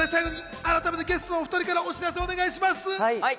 改めてゲストのお２人からお知らせ、お願いします。